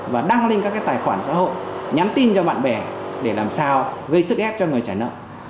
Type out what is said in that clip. và đăng lên các tài khoản xã hội nhắn tin cho bạn bè để làm sao gây sức ép cho người trả nợ